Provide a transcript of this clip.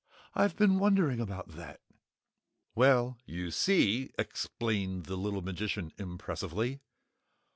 "I've been wondering about that." "Well, you see," explained the little magician impressively.